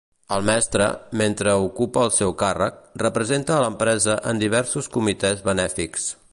El mestre, mentre ocupa el seu càrrec, representa a l'empresa en diversos comitès benèfics.